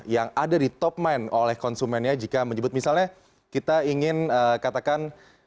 yang ada di top mind oleh konsumennya jika menyebut misalnya kita ingin katakan